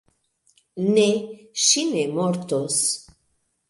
Ne, ŝi ne mortos